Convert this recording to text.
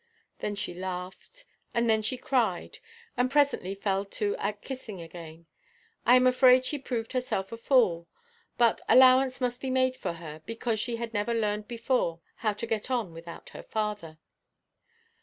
Then she laughed, and then she cried, and presently fell to at kissing again. I am afraid she proved herself a fool; but allowance must be made for her, because she had never learned before how to get on without her father.